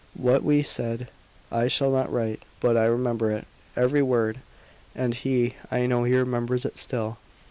What we said I shall not write, but I remember it, every word. And he I KNOW he remembers it still.